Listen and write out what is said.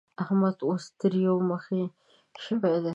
احمد اوس تريو مخی شوی دی.